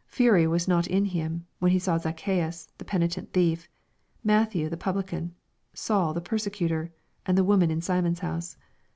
" Fury was not in Him" when He saw Zacchaeus, the penitent thief, Matthew the Publican, Saul the persecutor, and the woman in Simon's house.